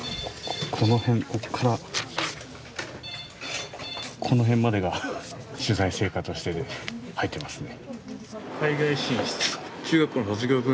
この辺こっからこの辺までが取材成果として入ってますね。